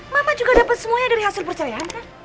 mama juga dapet semuanya dari hasil perceraian kan